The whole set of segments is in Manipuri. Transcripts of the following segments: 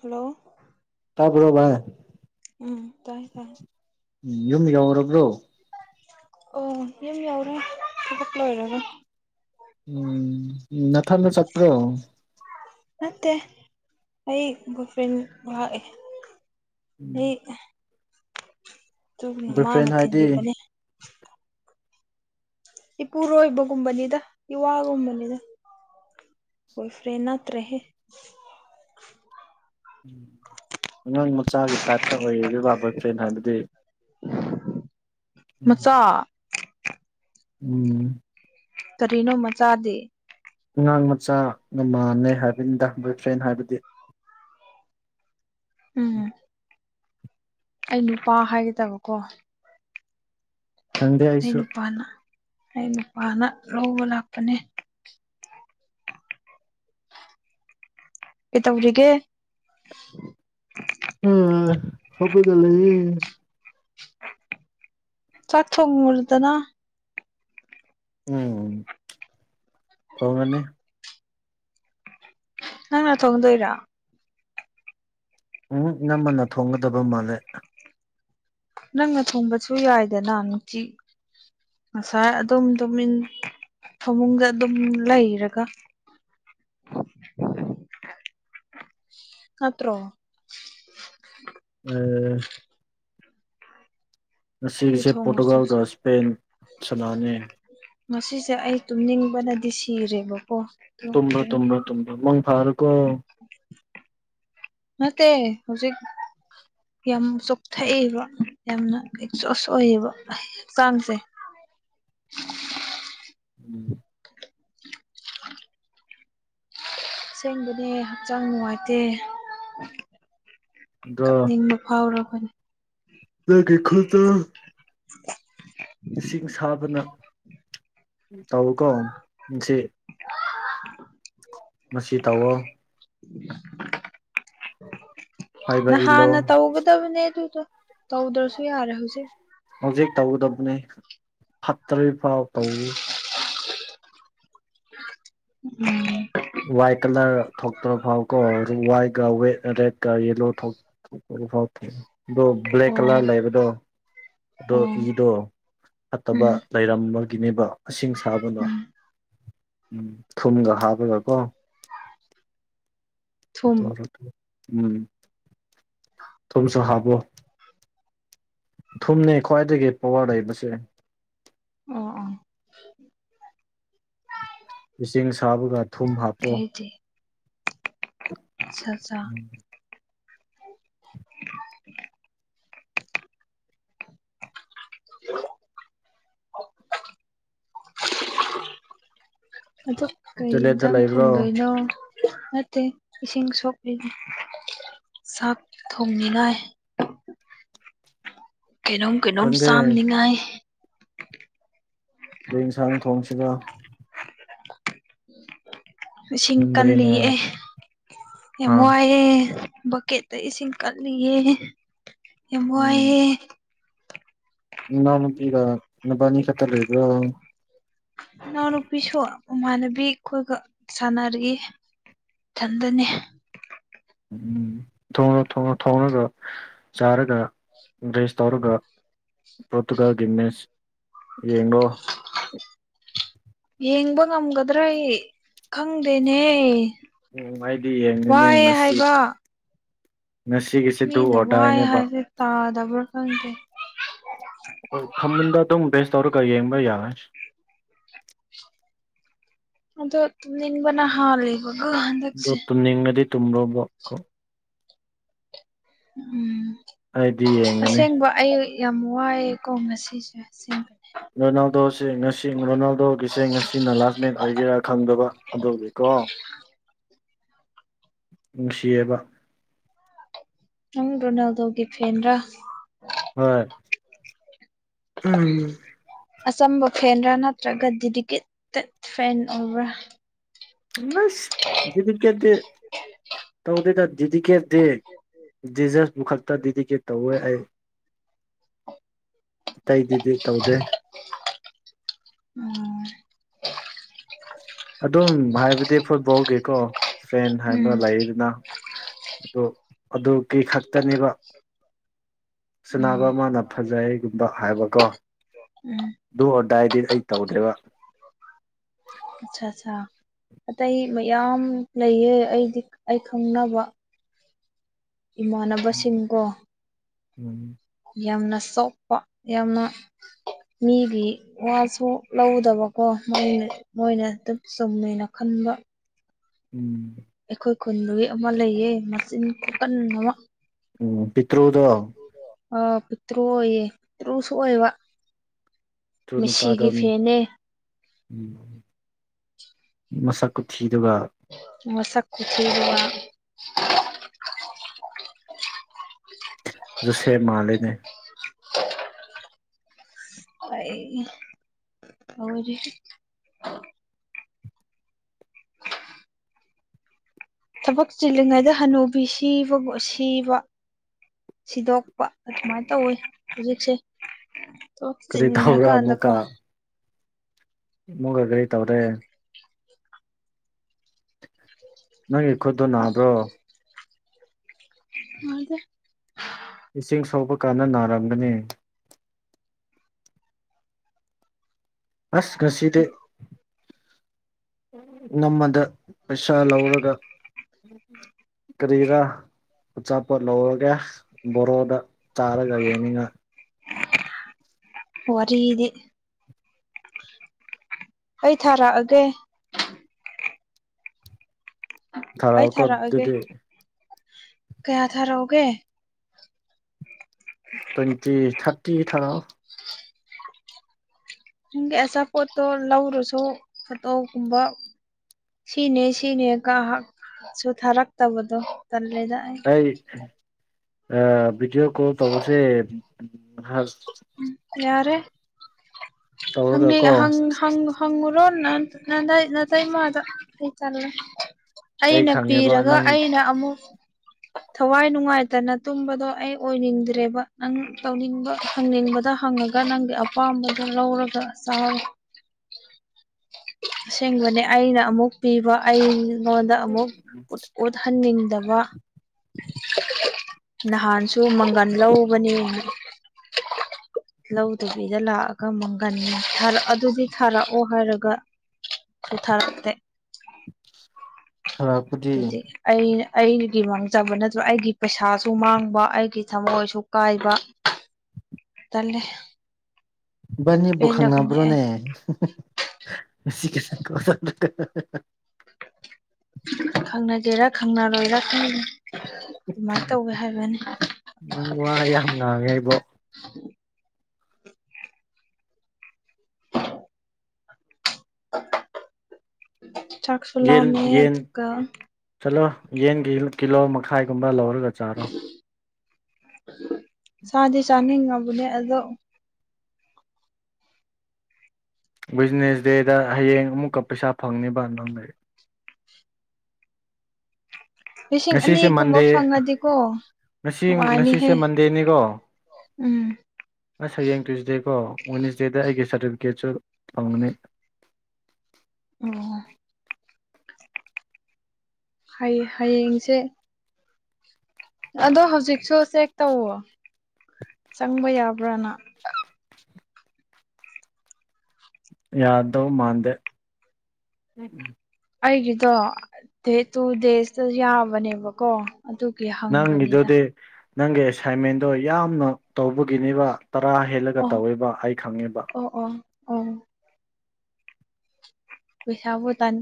ꯍꯜꯂꯣ ꯇꯥꯕ꯭ꯔꯣ ꯕꯥꯏ ꯎꯝ ꯇꯥꯏ ꯇꯥꯏ ꯌꯨꯝ ꯌꯧꯔꯕ꯭ꯔꯣ ꯑꯣ ꯌꯨꯝ ꯌꯧꯔꯦ ꯊꯕꯛ ꯂꯣꯏꯔꯒ ꯎꯝ ꯅꯊꯟꯗ ꯆꯠꯄ꯭ꯔꯣ ꯅꯠꯇꯦ ꯑꯩ ꯕꯣꯏ ꯐ꯭ꯔꯦꯟ ꯉꯥꯛꯑꯦ ꯑꯩ ꯑꯗꯨꯝ ꯕꯣꯏ ꯃꯥꯅ ꯐ꯭ꯔꯦꯟ ꯍꯥꯏꯗꯤ ꯊꯤꯟꯕꯤꯕꯅꯦ ꯏꯄꯨꯔꯣꯏꯕꯒꯨꯝꯕꯅꯤꯗ ꯏꯋꯥꯒꯨꯝꯕꯅꯤꯗ ꯕꫭꯏ ꯐ꯭ꯔꯦꯟ ꯅꯠꯇꯔꯦꯍꯦ ꯎꯝ ꯑꯉꯥꯡ ꯃꯆꯥꯒꯤ ꯇꯥꯏꯞꯇ ꯑꯣꯏ ꯔꯤꯔꯤꯕ ꯕꫭꯏꯐꯔꯦꯟ ꯍꯥꯏꯕꯗꯤ ꯃꯆꯥ ꯎꯝ ꯀꯔꯤꯅꯣ ꯃꯆꯥꯗꯤ ꯑꯉꯥꯡ ꯃꯆꯥꯒ ꯃꯥꯟꯅꯩ ꯍꯥꯏꯕꯅꯤꯗ ꯕꯣꯏ ꯐ꯭ꯔꯦꯟ ꯍꯥꯏꯕꯗꯤ ꯎꯝ ꯑꯩ ꯅꯨꯄꯥ ꯍꯥꯏꯒꯗꯕꯀꯣ ꯈꯪꯗꯦ ꯑꯩ ꯑꯩꯁꯨ ꯅꯨꯄꯥꯅ ꯑꯩ ꯅꯨꯄꯥꯅ ꯂꯧꯕ ꯂꯥꯛꯄꯅꯦ ꯀꯩ ꯇꯧꯔꯤꯒꯦ ꯑ ꯍꯧꯒꯠꯂ ꯂꯩꯌ‌ꯦ ꯆꯥꯛ ꯊ‌ꯣꯡꯉꯨꯔ‌ꯣꯗꯅ ꯎꯝ ꯊ‌ꯣꯡꯉꯅꯤ ꯅꯪꯅ ꯊꯣꯡꯗꯣꯏꯔꯥ ꯎꯝ ꯏꯅꯝꯃꯅ ꯊꯣꯡꯒꯗꯕ ꯃꯥꯜꯂꯦ ꯅꯪꯅ ꯊꯣꯡꯕꯁꯨ ꯌꯥꯏꯗꯅ ꯅꯨꯡꯇꯤ ꯉꯁꯥꯏ ꯑꯗꯨꯝ ꯇꯨꯃꯤꯟ ꯐꯃꯨꯡꯗ ꯑꯗꯨꯝ ꯂꯩꯔꯒ ꯅꯠꯇ꯭ꯔꯣ ꯎꯡ ꯎꯇꯤ ꯉꯁꯤꯒꯤꯁꯦ ꯄꯣꯔꯇꯨꯒꯥꯜꯒ ꯊꯣꯡꯕꯁꯤꯁꯨ ꯏꯁꯄꯦꯟ ꯁꯅꯥꯅꫠ ꯉꯁꯤꯁꯦ ꯑꯩ ꯇꯨꯝꯅꯤꯡꯕꯅꯗꯤ ꯁꯤꯔꯦꯕꯀꯣ ꯇꯨꯝꯕ꯭ꯔꯣ ꯇꯨꯝꯕ꯭ꯔꯣ ꯇꯨꯝꯕꯔꯣ ꯃꯪ ꯐꯔ‌ꯣ ꯀꯣ ꯅꯠꯇ‌ꯦ ꯍꯧꯖꯤꯛ ꯌꯥꯝ ꯆꯣꯛꯊꯛꯑꯦꯕ ꯌꯥꯝꯅ ꯑꯦꯛꯖꯣꯁ ꯑꯣꯏꯌꯦꯕ ꯑꯩ ꯍꯛꯆꯥꯡꯁꯦ ꯎꯝ ꯑꯁꯦꯡꯕꯅꯦ ꯍꯛꯆꯥꯡ ꯅꯨꯡꯉꯥꯏꯇꯦ ꯑꯗꯣ ꯀꯞꯅꯤꯡꯕ ꯐꯥꯎꯔꯕꯅ‌ꯦ ꯅ‌ꯣꯏꯒꯤ ꯈꯨꯟꯗ‌ꯣ [unintelligible] [unintelligible] [unintelligible] ꯏꯁꯤꯡ ꯁꯥꯕꯅ ꯇꯧꯋꯤꯀꯣ ꯉꯁꯤ ꯉꯁꯤ ꯇꯧꯑꯣ ꯍꯥꯏꯕ ꯏꯜꯂꯣ ꯅꯍꯥꯟꯅ ꯇꯧꯒꯗꯕꯅꯦ ꯑꯗꯨꯗꯣ ꯇꯧꯗꯔꯁꯨ ꯌꯥꯔꯦ ꯍꯧꯖꯤꯛ ꯍꯧꯖꯤꯛ ꯇꯧꯒꯗꯕꯅꯤ ꯍꯥꯞꯇ꯭ꯔꯤ ꯐꯥꯎ ꯇꯧꯏ ꯎꯝ ꯋꯥꯏꯠ ꯀꯂꯔ ꯊꯣꯛꯇ꯭ꯔꯣ ꯐꯥꯎꯕꯀꯣ ꯋꯥꯏ ꯋ‌ꯦ ꯔꯦꯠ ꯀꯒꯌ‌ꯦꯜꯂꯣ ꯊꯣꯛ ꯊ‌ꯣꯛ ꯐꯥꯎ [unintelligible] ꯑꯗꯣ ꯕ꯭ꯂꯦꯛ ꯑꯣ ꯀꯂꯔ ꯂꯩꯕꯗꯣ ꯑꯗꯣ ꯑꯣ ꯏꯗꯣ ꯐꯠꯇꯕ ꯎꯝ ꯂꯩꯔꯝꯕꯒꯤꯅꯦꯕ ꯏꯁꯤꯡ ꯁꯥꯕꯅ ꯎꯝ ꯎ ꯊꯨꯝꯒ ꯍꯥꯞꯄꯒ ꯀ‌ꯣ ꯊꯨꯝ ꯇꯧꯔꯒ‌ꯦ ꯎꯝ ꯊꯨꯝꯁꯨ ꯍꯥꯞꯕꯣ ꯊꯨꯝꯅꯦ ꯈ꯭ꯋꯥꯏꯗꯒꯤ ꯄꯋꯥꯔ ꯂꯩꯕꯁꯦ ꯑꯣ ꯑꯣ ꯏꯁꯤꯡ ꯁꯥꯕꯒ ꯊꯨꯝ ꯍꯥꯞꯄꯣ ꯑꯆꯥ ꯆꯥ [inaudible] ꯑꯗ‌ꯣ ꯀꯩ ꯇꯣꯏꯂꯦꯠꯇ ꯌꯦꯟꯁꯥꯡ ꯂꯩꯕ꯭ꯔꯣ ꯊꯨꯡꯗꯣꯏꯅꯣ ꯅꯠꯇꯦ ꯏꯁꯤꯡ ꯁꯣꯛꯂꯤ ꯆꯥꯛ ꯊꯣꯡꯅꯤꯉꯥꯏ ꯀꯩꯅꯣꯝ ꯀꯩꯅꯣꯝ ꯈꯪꯗꯦ ꯆꯥꯝꯅꯤꯡꯉꯥꯏ ꯀꯩ ꯌꯦꯟꯁꯥꯡ ꯊꯣꯡꯁꯤꯔꯥ ꯎꯝ [unintelligible] [unintelligible] ꯏꯁꯤꯡ ꯈꯪꯗ꯭ꯔꯦꯅꯦ ꯀꯜꯂꯤꯌꯦ ꯑꯥ ꯌꯥꯝ ꯋꯥꯏꯌ‌ꯦ ꯕꯛꯀꯦꯠ ꯗ ꯏꯁꯤꯡ ꯀꯠꯂꯤꯌꯦ ꯌꯥꯝ ꯋꯥꯏꯌ‌ꯦ ꯅꯅꯥꯎ ꯅꯨꯄꯤꯒ ꯅꯕꯥꯟꯅꯤ ꯈꯛꯇ ꯂꯩꯕ꯭ꯔꯣ ꯏꯅꯥꯎꯅꯨꯄꯤꯁꯨ ꯃꯃꯥꯟꯅꯕꯤ ꯈꯣꯏꯒ ꯁꯥꯟꯅꯔꯤ ꯊꯟꯗꯅ‌ꯦ ꯎꯝ ꯊꯣꯡꯔ‌ꯣ ꯊꯣꯡꯔ‌ꯣ ꯊꯣꯡꯔꯒ ꯆꯥꯔꯒ ꯗ꯭ꯔꯦꯁ ꯇꯧꯔꯒ ꯄꯣꯔꯇꯨꯒꯜꯒꯤ ꯃꯦꯁ ꯌꯦꯡꯑꯣ ꯌꯦꯡꯕ ꯉꯝꯒꯗ꯭ꯔꯑꯩ ꯈꯪꯗꯦꯅꯦ ꯎꯝ ꯑꯩꯗꯤ ꯌꯦꯡꯅꯤꯅꯦ ꯋꯥꯏ ꯉꯁꯤ ꯍꯥꯏꯕ ꯉꯁꯤꯒꯤꯁꯤ ꯗꯨ ꯃꯤꯅ ꯑꯣꯔ ꯋꯥꯏ ꯗꯥꯏꯅꯦꯕ ꯍꯥꯏꯕ ꯇꯥꯗꯕ꯭ꯔꯥ ꯈꯪꯗꯦ ꯍꯣꯏ ꯐꯃꯨꯡꯗ ꯑꯗꯨꯝ ꯕꯦꯁ ꯇꯧꯔꯒ ꯌꯦꯡꯕ ꯌꯥꯏ ꯑꯗꯣ ꯇꯨꯝꯅꯤꯡꯕꯅ ꯍꯥꯜꯂꯦ ꯥ [unintelligible] ꯑꯗꯣ ꯇꯨꯝꯅꯤꯡꯉꯗꯤ ꯇꯨꯝꯔꯣꯕ ꯀꯣ ꯎꯝ ꯑꯩꯗꯤ ꯌꯦꯡꯒꯅꯤ ꯑꯁꯦꯡꯕ ꯑꯩ ꯌꯥꯝ ꯋꯥꯏꯑꯦꯀꯣ ꯉꯁꯤꯁꯦ ꯑꯁꯦꯡꯕ ꯔꯣꯅꯥꯜꯗꯣꯁꯦ ꯉꯁꯤ ꯔꯣꯅꯥꯜꯗꯣꯒꯤꯁꯦ ꯉꯁꯤꯅ ꯂꯥꯁ ꯃꯦꯟ ꯑꯣꯏꯒꯦꯔꯥ ꯈꯪꯗꯕ ꯑꯗꯨꯒꯤ ꯀꯣ ꯅꯨꯡꯁꯤꯌꯦꯕ ꯅꯪ ꯔꯣꯅꯥꯜꯗꯣꯒꯤ ꯐꯦꯟ ꯔꯥ ꯍꯣꯏ ꯎꯝ ꯑꯆꯝꯕ ꯐꯦꯟꯔꯥ ꯅꯠꯇ꯭ꯔꯒ ꯗꯤꯗꯤꯀꯦꯇꯠ ꯐꯦꯟ ꯑꯣꯏꯕ꯭ꯔꯥ [unintelligible] ꯗꯤꯗꯤꯀꯦꯗꯦ ꯇꯧꯗꯦꯗ ꯗꯤꯗꯤꯀꯦꯗꯦ ꯖꯤꯖꯁꯄꯨ ꯈꯛꯇ ꯗꯤꯗꯤꯀꯦꯠ ꯇꯧꯋꯦ ꯑꯩ ꯇꯩꯗꯗꯦ ꯇꯧꯗꯦ ꯎꯝ ꯑꯗꯨꯝ ꯍꯥꯏꯕꯗꯤ ꯐꯨꯠꯕꯣꯜꯒꯤꯀꯣ ꯐꯦꯟ ꯍꯥꯏꯕ ꯎꯝ ꯂꯩꯗꯅ ꯑꯗꯣ ꯑꯗꯨꯒꯤ ꯈꯛꯇꯅꯦꯕ ꯎꯝ ꯁꯅꯕ ꯃꯥꯅ ꯐꯖꯩꯒꯨꯝꯕ ꯍꯥꯏꯕꯀꯣ ꯎꯝ ꯗꯨ ꯑꯣꯔ ꯗꯥꯏꯗꯤ ꯑꯩ ꯇꯧꯗ꯭ꯔꯦꯕ ꯑꯠꯁꯥ ꯑꯠꯁꯥ ꯑꯇꯩ ꯃꯌꯥꯝ ꯂꯩꯌꯦ ꯑꯩꯗꯤ ꯑꯩ ꯈꯪꯅꯕ ꯏꯃꯥꯟꯅꯕꯁꯤꯡꯀꯣ ꯎꯝ ꯌꯥꯝꯅ ꯁꯣꯛꯄ ꯌꯥꯝꯅ ꯃꯤꯒꯤ ꯋꯥꯁꯨ ꯂꯧꯗꯕꯀꯣ ꯃꯣꯏꯅ ꯃꯣꯏꯅ ꯑꯗꯨꯝ ꯆꯨꯝꯃꯦꯅ ꯈꯟꯕ ꯎꯝ ꯑꯩꯈꯣꯏ ꯈꯨꯟꯗꯨꯒꯤ ꯑꯃ ꯂꯩꯌꯦ ꯃꯆꯤꯟ ꯈꯨꯀꯟ ꯑꯃ ꯎꯝ ꯄꯤꯇ꯭ꯔꯨꯗꯣ ꯑ ꯄꯤꯛꯇ꯭ꯔꯨ ꯑꯣꯏꯌꯦ ꯇ꯭ꯔꯨꯁꯨ ꯑꯣꯏꯕ ꯇ꯭ꯔꯨ ꯅꯨꯄꯥꯗꯣ ꯃꯦꯁꯤꯒꯤ ꯐꯦꯟꯅꯦ ꯎꯝ ꯃꯁꯛ ꯈꯨꯊꯤꯗꯨꯒ ꯃꯁꯛ ꯈꯨꯊꯤꯗꯨꯒ ꯖꯣꯁꯦꯞ ꯃꯥꯂꯦꯅꯦ [inaudible] ꯑꯩ ꯂꯣꯏꯔꯦꯍꯦ ꯊꯕꯛ ꯆꯤꯜꯂꯤꯉꯩꯗ ꯍꯟꯅꯨꯕꯤ ꯁꯤꯕꯕꯨ ꯑꯁꯤꯕ ꯁꯤꯗꯣꯛꯄ ꯑꯗꯨꯃꯥꯏ ꯇꯧꯋꯦ ꯍꯧꯖꯤꯛꯁꯦ ꯊꯕꯛ ꯀꯔꯤ ꯇꯧꯕ꯭ꯔꯥ ꯆꯤꯟꯒ꯭ꯔꯀꯥꯟꯗꯀꯣ ꯑꯃꯨꯀ ꯒꯔꯤ ꯇꯧꯔꯦ ꯅꯣꯏꯒꯤ ꯈꯨꯠꯇꯣ ꯅꯥꯕ꯭ꯔꯣ ꯅꯥꯗꯦ ꯏꯁꯤꯡ ꯁꯣꯛꯕ ꯀꯥꯟꯗ ꯅꯥꯔꯝꯒꯅꯤ ꯑꯁ ꯉꯁꯤꯗꯤ ꯅꯃꯗ ꯄꯩꯁꯥ ꯂꯧꯔꯒ ꯀꯔꯤꯔꯥ ꯑꯆꯥꯄꯣꯠ ꯂꯧꯔꯒꯦ ꯕꯣꯔꯣꯗ ꯆꯥꯔꯒ ꯌꯥꯏꯅꯤꯡꯉꯥ ꯋꯥꯔꯤꯗꯤ ꯑꯩ ꯊꯥꯔꯛꯑꯒꯦ ꯑꯩ ꯊꯥꯔꯛꯑꯣꯀꯣ ꯊꯥꯔꯛꯑꯒꯦ ꯑꯗꯨꯗꯤ ꯀꯌꯥ ꯊꯥꯔꯛꯑꫭꯒꯦ ꯇ꯭ꯋꯦꯟꯇꯤꯊꯥ꯭ꯔꯇꯤ ꯊꯥꯔꯛꯑꯣ ꯅꯪꯒꯤ ꯑꯆꯥꯄꯣꯠꯇꯣ ꯂꯧꯔꯁꯨ ꯐꯣꯇꯣꯒꯨꯝꯕ ꯁꯤꯅꯦ ꯁꯤꯅꯦꯒꯍꯥꯛ ꯁꯨ ꯊꯥꯔꯛꯇꯕꯗꯣ ꯇꯜꯂꯦꯗ ꯑꯩ ꯑꯩ ꯑꯥ ꯕꯤꯗꯤꯑꯣ ꯀꯣꯜ ꯇꯧꯕꯁꯦ ꯍ ꯎꯝ ꯌꯥꯔꯦ ꯍꯪꯉꯦ ꯇꯧꯔꯒꯀꯣ ꯍꯪ ꯍꯪꯉꫭ ꯍꯪꯉꯨꯔꯣ ꯅꯪ ꯅꯇꯩ ꯅꯇꯥꯏꯃꯗ ꯑꯩ ꯇꯜꯂꯦ ꯑꯩ ꯑꯩꯅ ꯈꯪꯉꯦꯕ ꯄꯤꯔꯒ ꯅꯪ ꯑꯩꯅ ꯑꯃꯨꯛ [inaudible] ꯊꯋꯥꯏ ꯅꯨꯡꯉꯥꯏꯇꯅ ꯇꯨꯝꯕꯗꯣ ꯑꯩ ꯑꯣꯏꯅꯤꯡꯗ꯭ꯔꯦꯕ ꯅꯪ ꯇꯧꯅꯤꯡꯕ ꯍꯪꯅꯤꯡꯕꯗ ꯍꯪꯉꫭ ꯒ ꯅꯪꯒꯤ ꯑꯄꯥꯝꯕꯗꯨ ꯂꯧꯔꯒ ꯆꯥꯎ ꯑꯁꯦꯡꯕꯅꯦ ꯑꯩꯅ ꯑꯃꯨꯛ ꯄꯤꯕ ꯑꯩ ꯑꯩꯉꯣꯟꯗ ꯑꯃꯨꯛ ꯎꯠ ꯎꯠꯍꯟꯅꯤꯡꯗꯕ ꯅꯍꯥꯟꯁꯨ ꯃꯪꯒꯟ ꯂꯧꯕꯅꯦ [inaudible] ꯂꯧꯗꯕꯤꯗ ꯂꯥꯛꯑꯒ ꯃꯪꯒꯟ ꯊꯥꯔꯛ ꯑꯗꯨꯗꯤ ꯊꯥꯔꯛꯑꯣ ꯍꯥꯏꯔꯒ ꯁꯨ ꯊꯥꯔꯛꯇꯦ ꯈ꯭ꯔꯞ ꯇꯨꯗꯤ ꯑꯩꯅ ꯑꯩꯒꯤ ꯃꯥꯡꯖꯕ ꯅꯠꯇ꯭ꯔꯣ ꯑꯩꯒꯤ ꯄꯩꯁꯥꯁꯨ ꯃꯥꯡꯕ ꯑꯩꯒꯤ ꯊꯃꯣꯏꯁꯨ ꯀꯥꯏꯕ [inaudible] ꯇꯜꯂꯦ ꯏꯕꯥꯟꯅꯤꯕꯨ ꯄꯦꯜꯂꯕꯅꯦ ꯑꯩ ꯈꯪꯅꯕ꯭ꯔꯣꯅꯦ [unintelligible] ꯈꯪꯅꯒꯦꯔꯥ ꯈꯪꯅꯔꯣꯏꯔ ꯈꯪ [unintelligible] ꯑꯗꯨꯃꯥꯏꯅ ꯇꯧꯋꯦ ꯍꯥꯏꯕꯅꯤ ꯅꯪ ꯋꯥ ꯌꯥꯝ ꯉꯥꯡꯉꯦ ꯑꯩꯕꯣ ꯆꯥꯛꯁꯨ ꯌꯦꯟ ꯂꯥꯝꯃꯦ ꯌꯦꯟ ꯑꯗꯨꯒ ꯆꯠꯂꯣ ꯌꯦꯟ ꯀꯤꯂꫭ ꯀꯤꯂꯣ ꯃꯈꯥꯏꯒꯨꯝꯕ ꯂꯧꯔꯒ ꯆꯥꯔꯣ ꯆꯥꯗꯤ ꯆꯥꯅꯤꯡꯉꯕꯅꯦ ꯑꯗꯣ ꯕꯤꯖꯤꯅꯦꯁ ꯗꯦꯗ ꯍꯌꯦꯡ ꯑꯃꯨꯛꯀ ꯄꯩꯁꯥ ꯐꯪꯅꯤꯕ ꯅꯪꯒꯤ- ꯂꯤꯁꯤꯡ ꯉꯁꯤꯁꯦ ꯑꯅꯤꯒꯨꯝꯕ ꯃꯟꯗꯦ ꯐꯪꯉꯥꯗꯤꯀꯣ ꯉꯁꯤ ꯅꯨꯡꯉꯥꯏꯅꯤꯍꯦ ꯉꯁꯤꯁꯦ ꯃꯟꯗꯦꯅꯤꯀꯣ ꯎꯝ꯫ ꯑꯁ ꯍꯌꯦꯡ ꯇ꯭ꯋꯁꯗꯦꯀꯣ ꯋꯤꯟꯅ꯭ꯁꯗꯦꯗ ꯑꯩꯒꯤ ꯁꯥꯔꯇꯤꯐꯤꯀꯦꯠꯁꯨ ꯐꯪꯒꯅꯤ ꯑꯣ ꯍꯩ ꯍꯌꯦꯡꯁꯦ ꯑꯗꯣ ꯍꯧꯖꯤꯛꯁꯨ ꯆꯦꯛ ꯇꯧꯋꯣ ꯆꯪꯕ ꯌꯥꯕ꯭ꯔꯅ ꯌꯥꯗꯧ ꯃꯥꯟꯗꯦ ꯑꯩꯒꯤꯗꯣ ꯗꯦꯇꯨ ꯗꯦꯖꯇ ꯌꯥꯕꯅꯦꯕꯀꯣ ꯑꯗꯨꯒꯤ ꯍꯥ ꯅꯪꯒꯤꯗꯨꯗꯤ ꯅꯪꯒꯤ ꯑꯦꯁꯥꯏꯟꯃꯦꯟꯗꯣ ꯌꯥꯝꯅ ꯇꯧꯕꯒꯤꯅꯦꯕ ꯇꯔꯥ ꯍꯦꯜꯂꯒ ꯑꯣ ꯇꯧꯋꯦꯕ ꯑꯩ ꯈꯪꯉꯦꯕ ꯑꯣ ꯑꯥꯎ ꯄꯩꯁꯥꯕꯨ ꯇꯥꯟ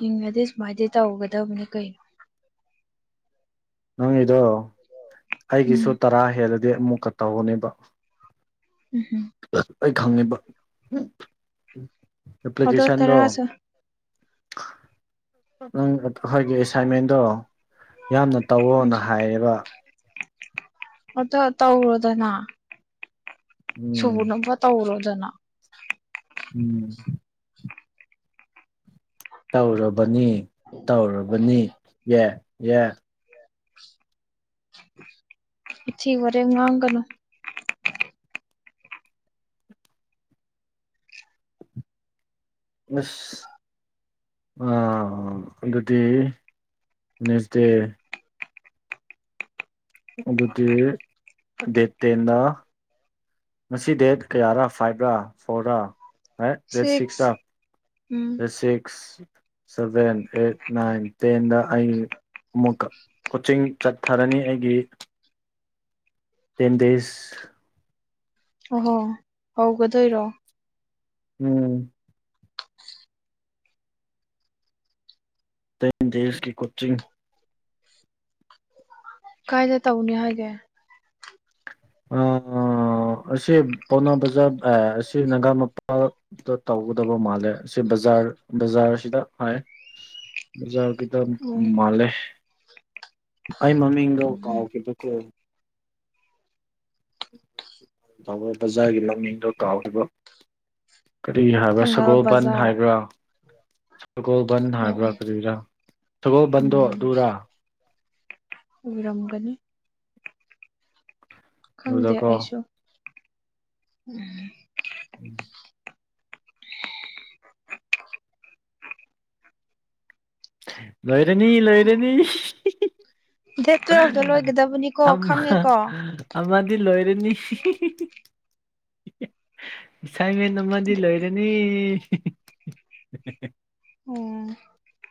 ꯍꯤꯡꯉꯗꯤ ꯁꯨꯃꯥꯏꯅꯗꯤ ꯇꯧꯒꯗꯕꯅꯤ ꯀꯩꯅꯣ ꯅꯪꯒꯤꯗꯣ ꯎꯝ ꯑꯩꯒꯤꯁꯨ ꯇꯔꯥ ꯍꯦꯜꯂꯗꯤ ꯑꯃꯨꯛꯀ ꯇꯧꯒꯅꯤꯕ ꯎꯝ ꯍꯨꯝ ꯑꯩ ꯈꯪꯉꯤꯕ ꯑꯗꯣ ꯑꯦꯄ꯭ꯂꯤꯀꯦꯁꯟꯗꯣ ꯇꯔꯥꯁꯨ ꯅꯪ ꯑꯩꯈꯣꯏꯒꯤ ꯑꯦꯁꯥꯏꯟꯃꯦꯟꯗꯣ ꯌꯥꯝꯅ ꯎꯝ ꯇꯧꯋꯣꯅ ꯍꯥꯏꯌꯦꯕ ꯑꯗꯣ ꯇꯧꯔꯣꯗꯅꯥ ꯎꯝ ꯍꯧꯅꯕ ꯇꯧꯔꯣꯗꯅ ꯎꯝ ꯇꯧꯔꯕꯅꯤ ꯇꯧꯔꯕꯅꯤ ꯌꯦ ꯌꯦ ꯋꯥꯊꯤ ꯋꯥꯔꯦꯝ ꯉꯥꯡꯒꯅꯨ ꯑꯁ ꯑ ꯑꯗꯨꯗꯤ ꯅꯦꯛꯁ ꯗꯦ ꯑꯗꯨꯗꯤ ꯗꯦꯠ ꯇꯦꯟꯗ ꯉꯁꯤ ꯗꯦꯠ ꯀꯌꯥꯔ ꯐꯥꯏꯕꯔ ꯐꯣꯔꯔ ꯍꯥꯏ ꯗꯦꯠ ꯁꯤꯛꯁ ꯁꯤꯛꯁꯔ ꯎꯝ date six seven eight nine ꯇꯦꯟꯗ ꯑꯩ ꯑꯃꯨꯛ ꯀꯣꯆꯤꯡ ꯆꯠꯊꯔꯅꯤ ꯑꯩꯒꯤ ꯇꯦꯟꯗꯦꯁ ꯑꯣꯍꯣ ꯍꯧꯒꯗꯣꯏꯔꯣ ꯎꯝ ꯇꯦꯟ ꯗꯦꯁꯀꯤ ꯀꫭꯆꯤꯡ ꯀꯥꯏꯗ ꯇꯧꯅꯤ ꯍꯥꯏꯒꯦ ꯑ ꯑꯁꯤ ꯄꯥꯎꯅꯥ ꯕꯖꯥꯔ ꯑꯁꯤ ꯅꯒꯥ ꯃꯄꯥꯜ ꯗ ꯇꯧꯒꯗꯕ ꯃꯥꯜꯂꯦ ꯁꯤ ꯕꯖꯥꯔ ꯕꯖꯥꯔꯁꯤꯗ ꯍꯥꯏ ꯕꯖꯥꯔꯒꯤꯗ ꯎꯝ ꯃꯥꯜꯂꯦ ꯑꯩ ꯃꯃꯤꯡꯗ ꯎꯝ ꯀꯥꯎꯈꯤꯕꯀꯣ ꯊꯥꯡꯃꯩ ꯕꯖꯥꯔꯒꯤ ꯃꯃꯤꯡꯗꯣ ꯀꯥꯎꯗꯕ ꯀꯔꯤ ꯍꯥꯏꯕ꯭ꯔꯥ ꯊꯪꯒꯥꯜ ꯁꯒꯣꯜꯕꯟ ꯕꯖꯥꯔ ꯍꯥꯏꯕ꯭ꯔꯥ ꯁꯒꯣꯜꯕꯟ ꯑꯣ ꯍꯥꯏꯕ꯭ꯔꯥ ꯑꯣ ꯀꯔꯤꯔꯥ ꯁꯒꯣꯜꯕꯟꯗꯣ ꯑꯗꯨꯔꯥ ꯎꯔꯝꯒꯅꯤ ꯈꯪꯗꯦ ꯑꯗꯨꯗꯀꯣ ꯑꯩꯁꯨ ꯎꯝ ꯎꯝ [inaudible] ꯂꯣꯏꯔꯅꯤ ꯂꯣꯏꯔꯅꯤ ꯗꯦꯠ ꯇꯨꯋꯦꯜꯐꯇ ꯂꯣꯏꯒꯗꯕꯅꯤꯀꯣ ꯑꯝꯃ ꯈꯪꯉꯦꯀꯣ ꯑꯃꯗꯤ ꯂꯣꯏꯔꯅꯤ ꯑꯦꯁꯥꯏꯃꯦꯟ ꯑꯃꯗꯤ ꯂꯣꯏꯔꯅꯤ ꯑꯣ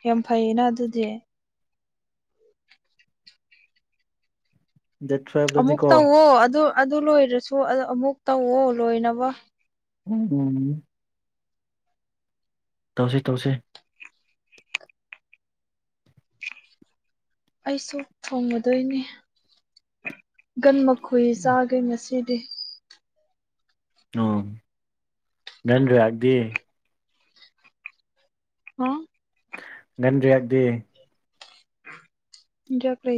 ꯌꯥꯝ ꯐꯩꯌꯦꯅ ꯑꯗꯨꯗꯤ ꯗ ꯈꯔ ꯑꯃꯨꯛ ꯇꯧꯋꫭ ꯑꯗꯨ ꯑꯗꯨ ꯂꯣꯏꯔꯁꯨ ꯑꯃꯨꯛ ꯇꯧꯋꯣ ꯂꯣꯏꯅꯕ ꯎꯝ ꯎꯝ ꯇꯧꯁꯤ ꯇꯧꯁꯤ ꯑꯩꯁꯨ ꯊꯣꯡꯉꯗꯣꯏꯅꯤ ꯒꯟ ꯃꯈꯨꯏ ꯆꯥꯒꯦ ꯉꯁꯤꯗꯤ ꯑꫭ ꯅꯪꯔꯥꯗꯦ ꯍꯥ ꯉꯟꯔꯤꯌꯥꯗꯦ ꯖ ꯐ꯭ꯔ [unintelligible]